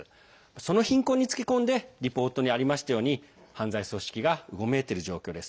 その貧困につけこんでリポートにありましたように犯罪組織がうごめいている状況です。